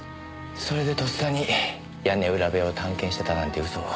それでとっさに屋根裏部屋を探検してたなんて嘘を。